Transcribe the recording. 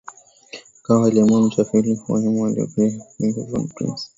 Mkwawa aliwaua machifu wawili Wahehe waliowahi kushirikiana na von Prince